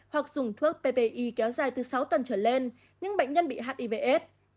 hoặc dùng thuốc ppi kéo dài từ sáu tuần trở lên nhưng bệnh nhân bị hivs